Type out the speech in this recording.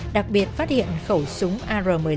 đặc biệt phát hiện khẩu súng ar một mươi năm